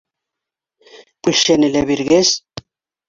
Пулшәне лә биргәс.